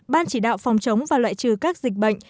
ban chỉ đạo phòng chống và loại trừ các dịch bệnh